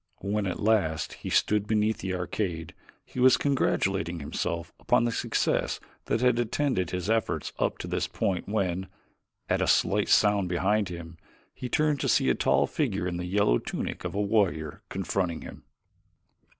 When at last he stood beneath the arcade he was congratulating himself upon the success that had attended his efforts up to this point when, at a slight sound behind him, he turned to see a tall figure in the yellow tunic of a warrior confronting him.